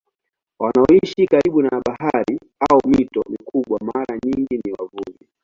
Wanaoishi karibu na bahari au mito mikubwa mara nyingi ni wavuvi.